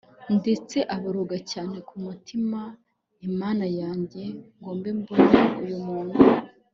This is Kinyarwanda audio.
ndetse aboroga cyane, kumutima nti mana yanjye, ngombe mbone uyu muntu